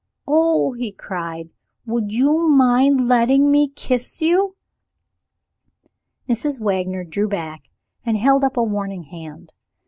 "Oh!" he cried, "would you mind letting me kiss you?" Mrs. Wagner drew back, and held up a warning hand.